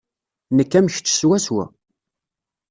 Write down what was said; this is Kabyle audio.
Nekk am kečč swaswa.